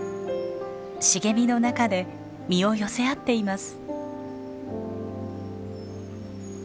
茂みの中で身を寄せ合っています。